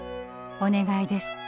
「お願いです。